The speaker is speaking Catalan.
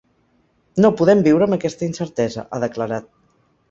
No podem viure amb aquesta incertesa, ha declarat.